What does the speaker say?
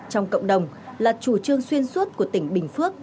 trong cộng đồng là chủ trương xuyên suốt của tỉnh bình phước